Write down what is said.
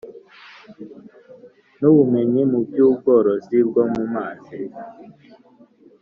N ubumenyi mu by ubworozi bwo mu mazi